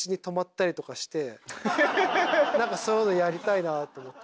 何かそういうのやりたいなと思って。